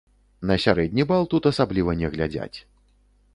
На сярэдні бал тут асабліва не глядзяць.